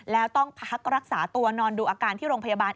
แล้วต้องพักรักษาตัวนอนดูอาการที่โรงพยาบาล